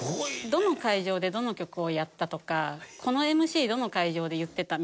どの会場でどの曲をやったとかこのＭＣどの会場で言ってた？